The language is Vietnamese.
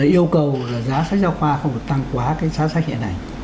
yêu cầu giá sách giáo khoa không tăng quá cái giá sách này